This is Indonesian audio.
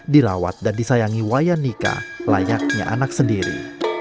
dirawat dan disayangi wayan nika layaknya anak sendiri